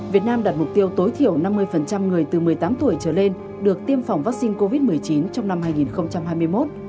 việt nam đặt mục tiêu tối thiểu năm mươi người từ một mươi tám tuổi trở lên được tiêm phòng vaccine covid một mươi chín trong năm hai nghìn hai mươi một